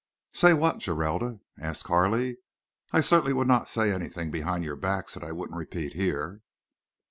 "Say what, Geralda?" asked Carley. "I certainly would not say anything behind your backs that I wouldn't repeat here."